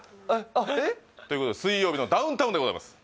あっえっ？ということで「水曜日のダウンタウン」でございます